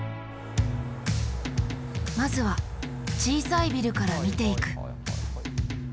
まずは小さいビルから見ていく。